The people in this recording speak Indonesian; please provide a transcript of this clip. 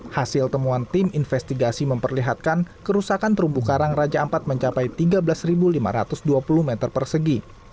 hasil temuan tim investigasi memperlihatkan kerusakan terumbu karang raja ampat mencapai tiga belas lima ratus dua puluh meter persegi